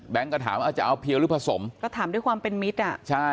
ก็ถามว่าจะเอาเพียวหรือผสมก็ถามด้วยความเป็นมิตรอ่ะใช่